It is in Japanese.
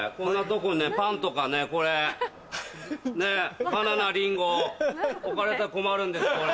これねっバナナリンゴ置かれたら困るんですこれ。